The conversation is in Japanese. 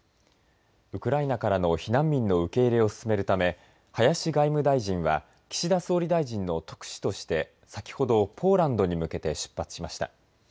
ウクライナからの避難民の受け入れを進めるため林外務大臣は岸田総理大臣の特使として先ほどポーランドに向けて出発しました。